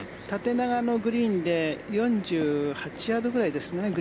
縦長のグリーンで４８ヤードぐらいですね。